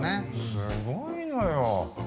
すごいのよ。